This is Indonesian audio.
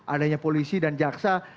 adanya polisi dan jaksa